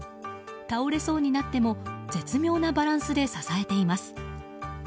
倒れそうになっても絶妙なバランスで支えています。